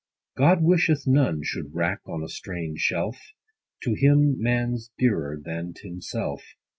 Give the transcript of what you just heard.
God wisheth none should wrack on a strange shelf : To him man's dearer, than t' himself.